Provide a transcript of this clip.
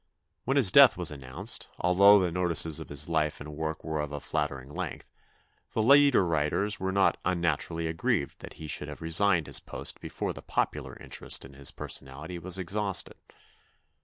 When his death was announced, although the notices of his life and work were of a flattering length, the leader writers were not unnaturally aggrieved that he should have resigned his post before the popular interest in his personality was ex hausted.